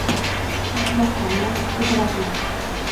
Ahmoqona ibratlar: